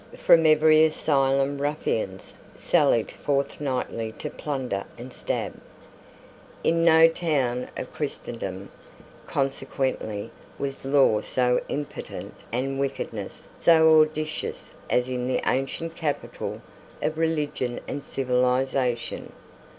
From every asylum ruffians sallied forth nightly to plunder and stab. In no town of Christendom, consequently, was law so impotent and wickedness so audacious as in the ancient capital of religion and civilisation.